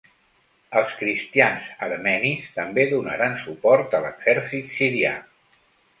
Els cristians armenis també donaren suport a l'Exèrcit sirià.